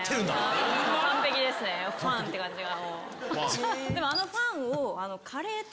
ファ！って感じが。